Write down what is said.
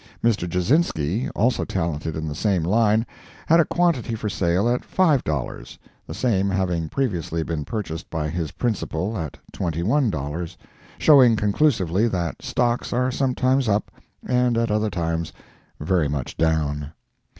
Mr. Jazinski, also talented in the same line, had a quantity for sale at five dollars, the same having previously been purchased by his principal at twenty one dollars, showing conclusively that stocks are sometimes up and at other times very much down.